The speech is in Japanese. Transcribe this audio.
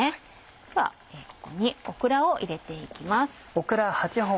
ではここにオクラを入れて行きます。